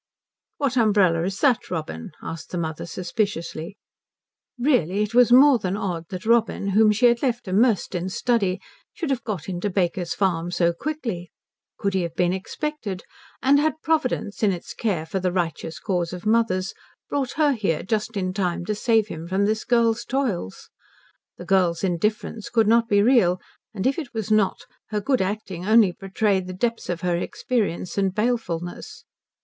"What umbrella is that, Robin?" asked his mother suspiciously. Really, it was more than odd that Robin, whom she had left immersed in study, should have got into Baker's Farm so quickly. Could he have been expected? And had Providence, in its care for the righteous cause of mothers, brought her here just in time to save him from this girl's toils? The girl's indifference could not be real; and if it was not, her good acting only betrayed the depths of her experience and balefulness.